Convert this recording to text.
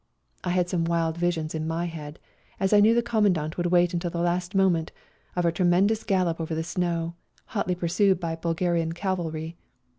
I had some wild visions in my head — as I knew the Commandant would wait until the last moment — of a tremendous gallop over the snow, hotly pursued by Bul garian cavalry.